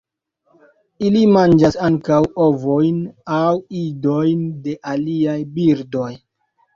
Ili manĝas ankaŭ ovojn aŭ idojn de aliaj birdoj.